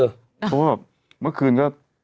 เพราะว่าเมื่อคืนก็